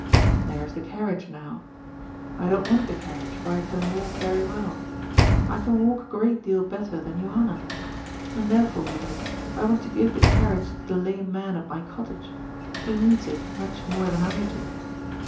There is the carriage, now. I don't want the carriage, for I can walk very well. I can walk a great deal better than Johanna. And therefore, Hubert, I want to give the carriage to the lame man at my cottage. He needs it much more than I do.